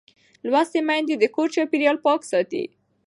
لوستې میندې د کور چاپېریال پاک ساتي.